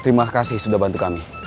terima kasih sudah bantu kami